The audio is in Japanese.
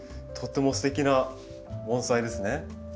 とってもステキな盆栽ですね。